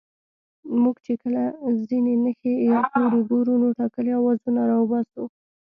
موږ چې کله ځينې نښې يا توري گورو نو ټاکلي آوازونه راوباسو